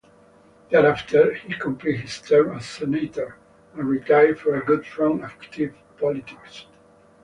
Thereafter he completed his term as Senator and retired for good from active politics.